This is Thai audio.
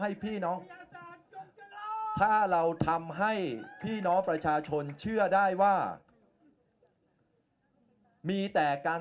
ให้พี่น้องถ้าเราทำให้พี่น้องประชาชนเชื่อได้ว่ามีแต่การ